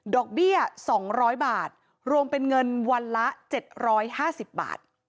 ดอกเบี้ยสองร้อยบาทรวมเป็นเงินวันละเจ็ดร้อยห้าสิบบาท